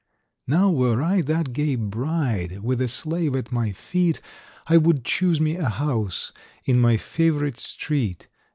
Now were I that gay bride, with a slave at my feet, I would choose me a house in my favourite street.